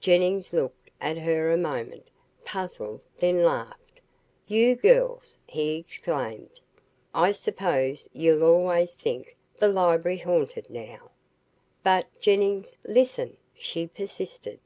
Jennings looked at her a moment, puzzled, then laughed. "You girls!" he exclaimed. "I suppose you'll always think the library haunted, now." "But, Jennings, listen," she persisted.